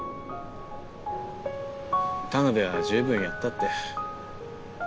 田辺は十分やったって。